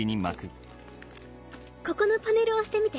ここのパネル押してみて。